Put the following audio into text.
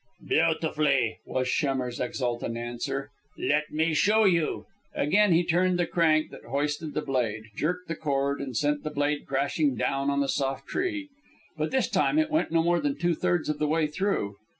"Beautifully," was Schemmer's exultant answer. "Let me show you." Again he turned the crank that hoisted the blade, jerked the cord, and sent the blade crashing down on the soft tree. But this time it went no more than two thirds of the way through.